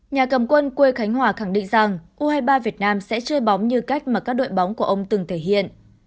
nhà cầm quân quê khánh hòa khẳng định rằng u hai mươi ba việt nam sẽ chơi bóng như cách mà các đội bóng của ông từng thể hiện